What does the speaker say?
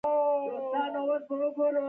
روسان د ویجاړۍ او وژنو پراخه تجربه لري.